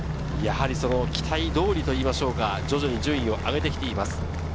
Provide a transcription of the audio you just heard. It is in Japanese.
期待通りといいましょうか、徐々に順位を上げてきています。